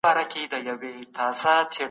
غلامان د هر ډول حقونو څخه بې برخي وي.